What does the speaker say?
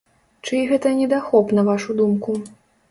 Чый гэта недахоп, на вашу думку?